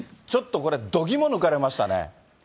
ちょっとこれ、度胆抜かれましたね。